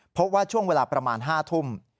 พบว่าช่วงเวลาประมาณ๕ทุ่ม